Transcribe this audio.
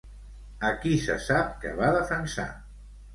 A qui se sap que va defensar?